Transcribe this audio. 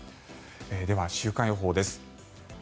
では、週間予報です。